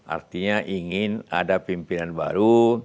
artinya ingin ada pimpinan baru